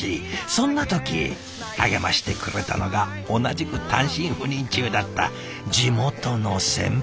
そんな時励ましてくれたのが同じく単身赴任中だった地元の先輩。